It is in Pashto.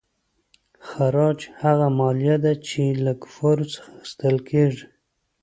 خراج هغه مالیه ده چې له کفارو څخه اخیستل کیږي.